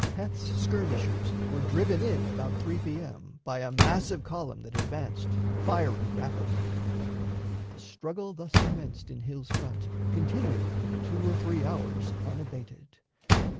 Heth's skirmishers were driven in about 3 P.M. by a massive column that advanced, firing rapidly. The straggle thus commenced in Hill's front continued for two or three hours unabated.